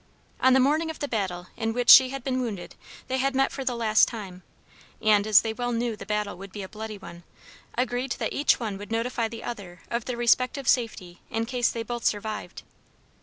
On the morning of the battle in which she had been wounded they had met for the last time, and, as they well knew the battle would be a bloody one, agreed that each one would notify the other of their respective safety in case they both survived.